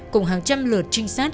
cùng hàng trăm lượt trinh sát